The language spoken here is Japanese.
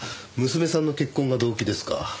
娘さんの結婚が動機ですか？